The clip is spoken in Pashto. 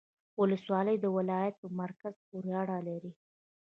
ولسوالۍ د ولایت په مرکز پوري اړه لري